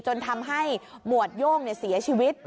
จนทำให้หมวดโย่งเสียชีวิต